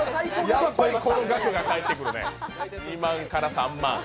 やっぱりこの額が帰ってくるね、２万から３万。